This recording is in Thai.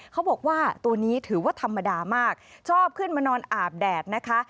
เขาบอกว่าตัวนี้ถือว่าธรรมดามากชอบขึ้นมานอนอาบแดดนะคะ